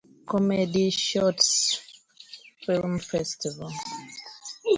Comedy Shorts Film Festival.